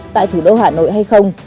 tại thủ đô hà nội hay không